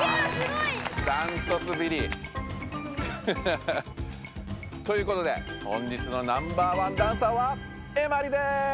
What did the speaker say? だんとつビリ！ということで本日のナンバーワンダンサーはエマリです！